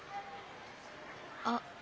あっ。